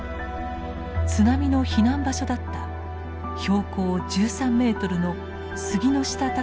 津波の避難場所だった標高１３メートルの杉ノ下